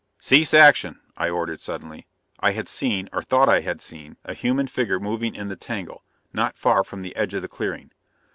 "Cease action!" I ordered suddenly. I had seen, or thought I had seen, a human figure moving in the tangle, not far from the edge of the clearing.